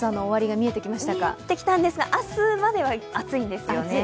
見えてきたんですが明日までは暑いんですよね。